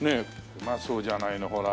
うまそうじゃないのほら。